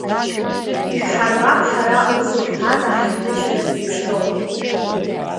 Ишәҳарбап ҳара усурҭада ҳныжьра зеиԥшроу.